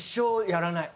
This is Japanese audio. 「やらない」？